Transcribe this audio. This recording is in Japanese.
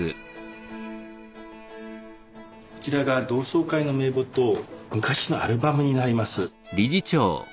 こちらが同窓会の名簿と昔のアルバムになります。